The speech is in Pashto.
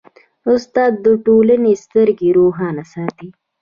استاد د ټولنې سترګې روښانه ساتي.